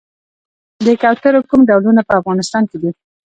د کوترو کوم ډولونه په افغانستان کې دي؟